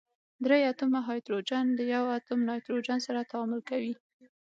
درې اتومه هایدروجن د یوه اتوم نایتروجن سره تعامل کوي.